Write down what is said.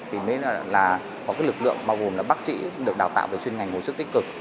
thì mới là có cái lực lượng bao gồm là bác sĩ được đào tạo về chuyên ngành hồi sức tích cực